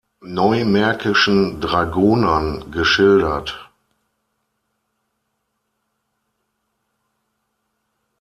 Neumärkischen Dragonern geschildert.